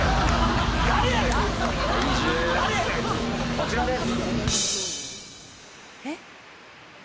こちらです。